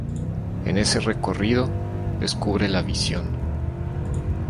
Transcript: En ese recorrido, descubre la visión.